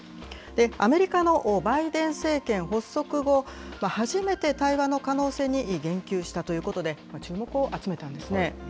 アメリカのバイデン政権発足後、初めて対話の可能性に言及したということで、注目を集めたんですね。